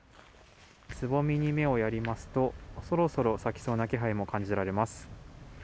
つぼみに目をやりますとそろそろ咲きそうな気配も感じられます。